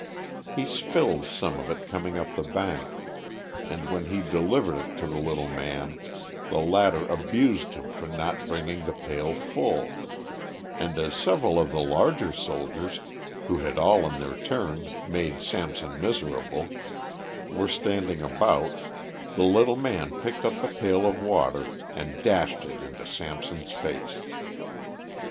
He spilled some of it coming up the bank, and when he delivered it to the little man, the latter abused him for not bringing the pail full, and as several of the larger soldiers, who had all in their turn made Samson miserable, were standing about, the little man picked up the pail of water and dashed it into Samson's face.